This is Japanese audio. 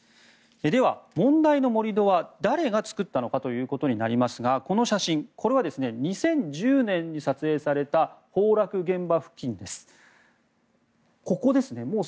では、問題の盛り土は誰が作ったのかということになりますがこの写真これは２０１０年に撮影された崩落現場付近です。